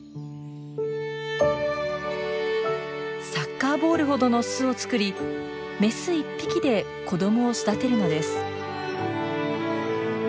サッカーボールほどの巣を作りメス１匹で子どもを育てるのです。